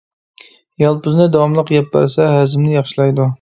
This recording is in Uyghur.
يالپۇزنى داۋاملىق يەپ بەرسە، ھەزىمنى ياخشىلايدۇ.